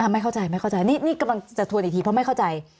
ไม่เข้าใจไม่เข้าใจนี่กำลังจะทวนอีกทีเพราะไม่เข้าใจ